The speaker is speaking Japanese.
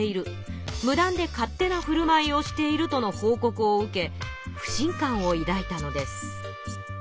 無断で勝手なふるまいをしているとの報告を受け不信感をいだいたのです。